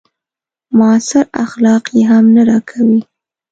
معاصر اخلاق يې هم نه راکوي.